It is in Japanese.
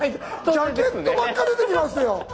ジャケットばっか出てきますよ。